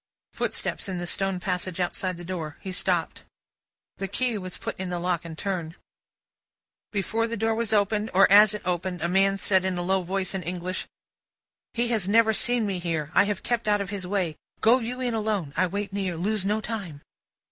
Footsteps in the stone passage outside the door. He stopped. The key was put in the lock, and turned. Before the door was opened, or as it opened, a man said in a low voice, in English: "He has never seen me here; I have kept out of his way. Go you in alone; I wait near. Lose no time!"